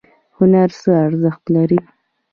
هنر څه ارزښت لري؟